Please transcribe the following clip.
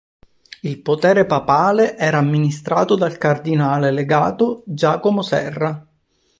Il potere papale era amministrato dal cardinale legato Giacomo Serra.